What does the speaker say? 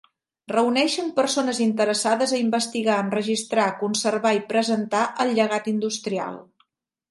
Reuneixen persones interessades a investigar, enregistrar, conservar i presentar el llegat industrial.